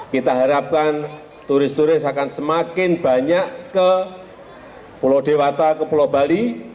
kita harapkan turis turis akan semakin banyak ke pulau dewata ke pulau bali